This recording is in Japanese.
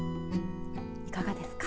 いかがですか。